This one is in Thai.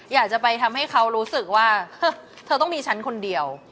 อยากจะไปทำให้เขารู้สึกว่าเธอต้องมีฉันคนเดียว